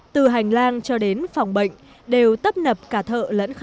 từ hành lang cho đến phòng bệnh đều tấp nập cả thơ